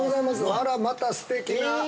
あら、またすてきな。